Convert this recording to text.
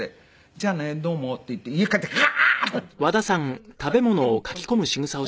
「じゃあねどうも」って言って家帰ってガーッと食べていました私。